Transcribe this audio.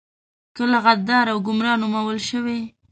کله غدار او ګمرا نومول شوي.